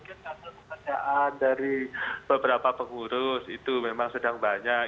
mungkin hasil pekerjaan dari beberapa pengurus itu memang sedang banyak